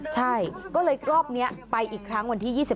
ใช่ก็เลยรอบนี้ไปอีกครั้งวันที่๒๑